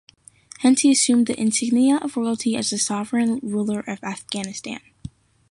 Hence he "assumed the insignia of royalty" as the "sovereign ruler of Afghanistan".